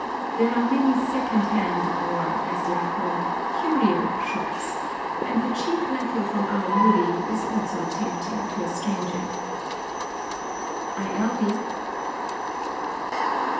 There are many second hand, or, as they are called, "curio" shops, and the cheap lacquer from Aomori is also tempting to a stranger. I. L. B.